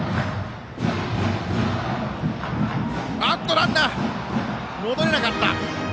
ランナー戻れなかった！